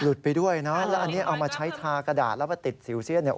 ไปด้วยนะแล้วอันนี้เอามาใช้ทากระดาษแล้วมาติดสิวเสี้ยนเนี่ย